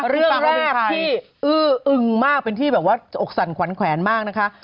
เรื่องราวแบบที่อื้ออึงมากเป็นที่แบบว่าอกสั่นขวัญแขวนมากนะคะ